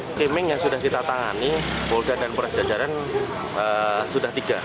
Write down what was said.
skimming yang sudah kita tangani polda dan polres jajaran sudah tiga